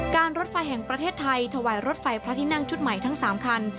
รถไฟแห่งประเทศไทยถวายรถไฟพระที่นั่งชุดใหม่ทั้ง๓คัน